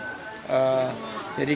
jadi kita berharap